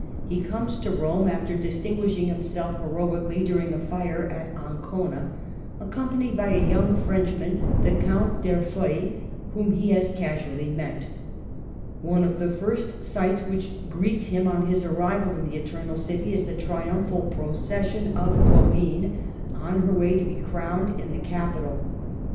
He comes to Rome (after distinguishing himself he roically during a fire at Ancona) accompanied by a young Frenchman, the Count D'Erfeuil, whom he has casually met. One of the first sights which greets them on their arrival in the Eternal City is the triumphal procession of " Corinne " on her way to be crowned in the Capitol.